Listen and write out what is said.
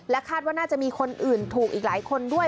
คาดว่าน่าจะมีคนอื่นถูกอีกหลายคนด้วย